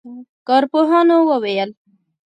کارپوهانو وویل